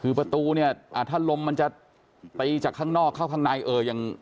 คือประตูเนี่ยถ้าลมมันจะตีจากข้างนอกเข้าข้างในเอออย่าง